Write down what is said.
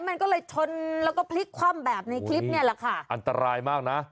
มันก็เลยชนแล้วก็พลิกคว่ำแบบในคลิปเนี่ยแหละค่ะอันตรายมากน่ะ